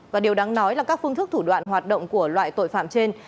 và điều đáng nói là các phương thức thủ đoạn hoạt động của loại tội phạm trên